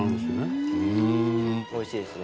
おいしいですね。